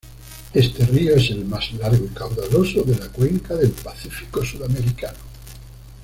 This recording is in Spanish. Este río es el más largo y caudaloso de la cuenca del Pacífico sudamericano.